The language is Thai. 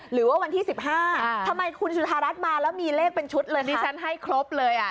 หรือว่าวันที่๑๕ทำไมคุณจุธารัฐมาแล้วมีเลขเป็นชุดเลยดิฉันให้ครบเลยอ่ะ